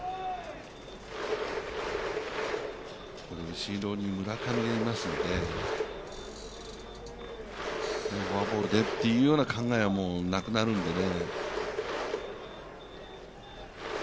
後ろに村上がいますので、フォアボ−ルでというような考えはなくなるんでね。